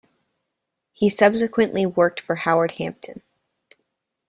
He subsequently worked for Howard Hampton.